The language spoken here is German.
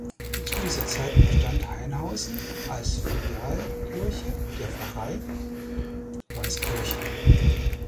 Zu dieser Zeit unterstand Hainhausen als Filialkirche der Pfarrei Weiskirchen.